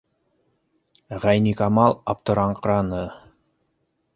Ғәйникамал аптыраңҡыраны: